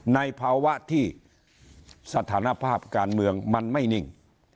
ในภาวะที่สถานภาพการเมืองมันไม่นิ่ง